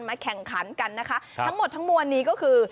มาแข่งขันกันทั้งหมดทั้งมนตร์นี้ก็คือ